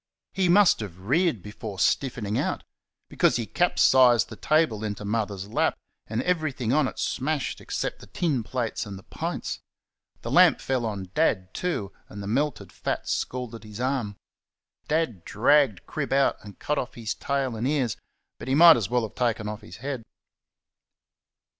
He must have reared before stiffening out, because he capsized the table into Mother's lap, and everything on it smashed except the tin plates and the pints. The lamp fell on Dad, too, and the melted fat scalded his arm. Dad dragged Crib out and cut off his tail and ears, but he might as well have taken off his head.